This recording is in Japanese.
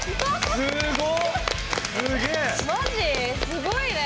すごいね。